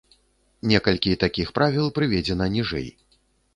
Некалькі такіх правіл прыведзена ніжэй.